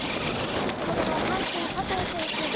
先ほどの阪神、佐藤選手